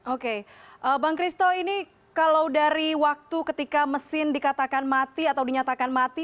oke bang christo ini kalau dari waktu ketika mesin dikatakan mati atau dinyatakan mati